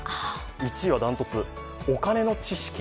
１位は断トツ、お金の知識